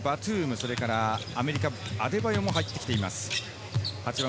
それからアメリカ、アデバーヨも入ってきています。